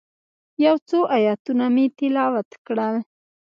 یو څو آیتونه مې تلاوت کړل.